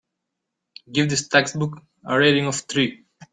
Give this textbook a rating of three.